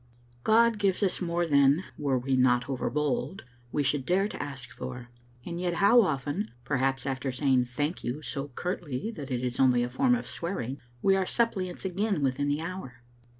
God gives us more than, were we not overbold, we should dare to ask for, and yet how often (perhaps after saying " Thank God" so curtly that it is only a form of swearing) we are suppliants again within the hour.